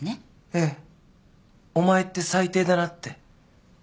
ええ「お前って最低だな」って突然犬が。